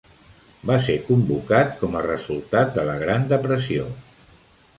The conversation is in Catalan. Va ser convocat com a resultat de la Gran Depressió.